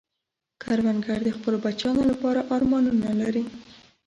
کروندګر د خپلو بچیانو لپاره ارمانونه لري